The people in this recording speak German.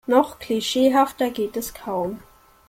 Noch klischeehafter geht es kaum.